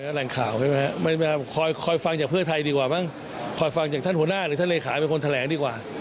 แหล่งข่าวใช่ไหมครับคอยคอยฟังจากเพื่อไทยดีกว่ามั้งคอยฟังจากท่านหัวหน้าหรือท่านเลขาเป็นคนแถลงดีกว่า